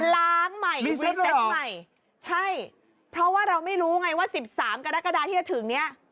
ล้างใหม่วิเศตใหม่เพราะว่าเราไม่รู้ไงว่า๑๓กรกฎานี้ที่จะถึงเนี่ย